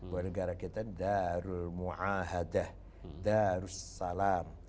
buat negara kita darul mu'ahadah darussalam